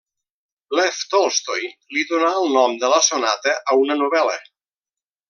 Lev Tolstoi li donà el nom de la sonata a una novel·la.